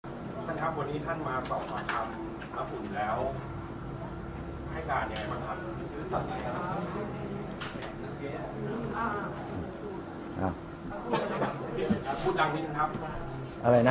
สวัสดีครับวันนี้ท่านมาสอบกับน้ำอุ่นแล้ว